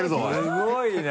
すごいな。